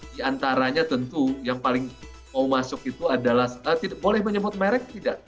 di antaranya tentu yang paling mau masuk itu adalah tidak boleh menyebut merek tidak